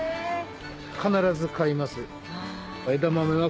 必ず買います。